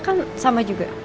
aku kan sama juga